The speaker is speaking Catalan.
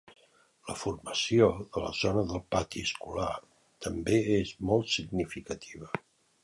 La formació de la zona del pati escolar també és molt significativa.